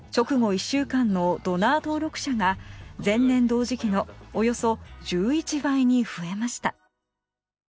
１週間のドナー登録者が前年同時期のおよそ１１倍に増えました。